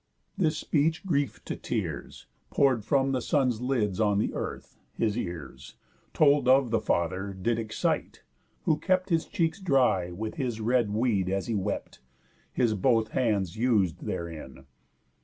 This speech grief to tears (Pour'd from the son's lids on the earth) his ears, Told of the father, did excite; who kept His cheeks dry with his red weed as he wept, His both hands us'd therein.